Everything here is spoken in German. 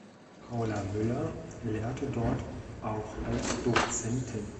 Paula Mueller lehrte dort auch als Dozentin.